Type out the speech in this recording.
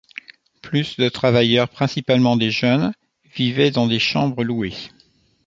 Plus de travailleurs, principalement des jeunes, vivaient dans des chambres louées.